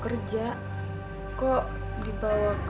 pulang gua tunggu di rumah